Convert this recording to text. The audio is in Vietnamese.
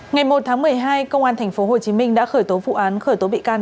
ngày một tháng một mươi hai công an tp hcm đã khởi tố vụ án khởi tố bị can